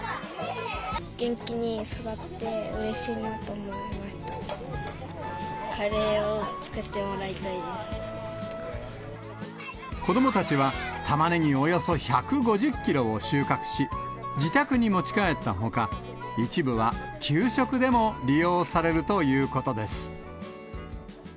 元気に育って、カレーを作ってもらいたいで子どもたちは、タマネギおよそ１５０キロを収穫し、自宅に持ち帰ったほか、一部は給食でも利用されるということです。